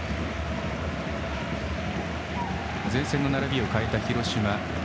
前線の並びを変えた広島。